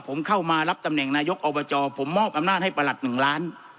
ผมเข้ามารับตำแหน่งนายกอบจผมมอบอำนาจให้ประหลัด๑ล้าน